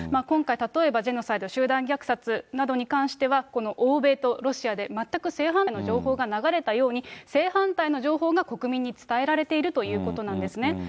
今回、例えばジェノサイド・集団虐殺などに関しては、この欧米とロシアで全く正反対の情報が流れたように、正反対の情報が国民に伝えられているということなんですね。